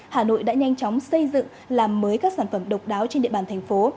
hà nội đã nhanh chóng xây dựng làm mới các sản phẩm độc đáo trên địa bàn thành phố